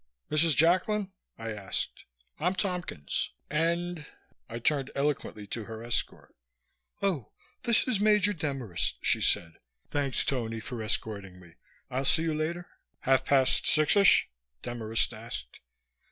"Mrs. Jacklin?" I asked. "I'm Tompkins. And " I turned eloquently to her escort. "Oh, this is Major Demarest," she said. "Thanks, Tony, for escorting me. I'll see you later?" "Half past sixish?" Demarest asked.